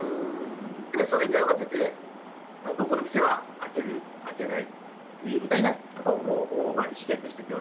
それに合わせて、どこの店を開ける開けないみたいなことを意思決定しています。